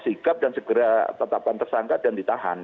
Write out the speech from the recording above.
sikap dan segera tetapkan tersangka dan ditahan